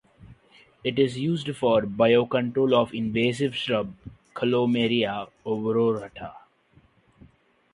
It is used for biocontrol of invasive shrub Chromolaena odorata.